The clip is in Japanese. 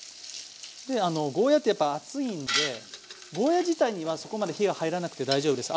でゴーヤーってやっぱ厚いんでゴーヤー自体にはそこまで火が入らなくて大丈夫です。